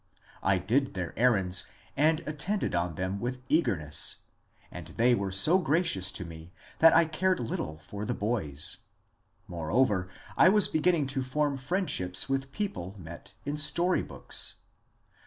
I did their errands and attended on them with eagerness, and they were so gracious to me that I cared little for the boys. Moreover, I was be ginning to form friendships with people met in story books.